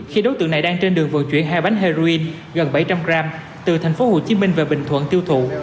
khi đối tượng này đang trên đường vận chuyển hai bánh heroin gần bảy trăm linh gram từ thành phố hồ chí minh về bình thuận tiêu thụ